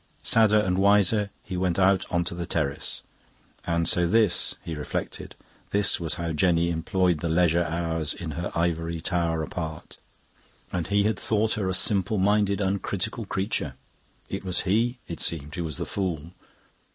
Sadder and wiser, he went out on to the terrace. And so this, he reflected, this was how Jenny employed the leisure hours in her ivory tower apart. And he had thought her a simple minded, uncritical creature! It was he, it seemed, who was the fool.